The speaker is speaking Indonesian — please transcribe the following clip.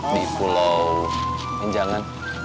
di pulau menjangan